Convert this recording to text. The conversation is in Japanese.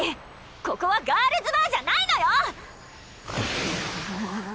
ここはガールズバーじゃないのよ！